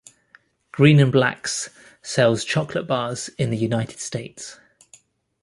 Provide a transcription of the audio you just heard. Green and Black's sells chocolate bars in the United States.